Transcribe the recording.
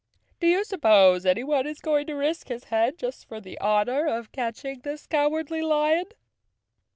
"Do you suppose anyone is going to risk his head just for the honor of catching this Cowardly Lion?"